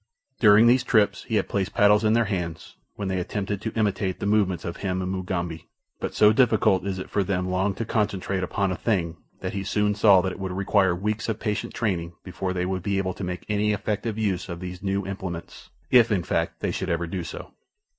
During these trips he had placed paddles in their hands, when they attempted to imitate the movements of him and Mugambi, but so difficult is it for them long to concentrate upon a thing that he soon saw that it would require weeks of patient training before they would be able to make any effective use of these new implements, if, in fact, they should ever do so.